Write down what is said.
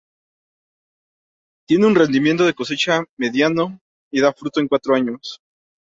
Tiene un rendimiento de cosecha mediano, y da fruto en cuatro años.